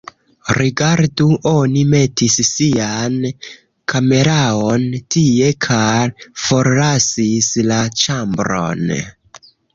Rigardu, oni metis sian kameraon tie kaj forlasis la ĉambron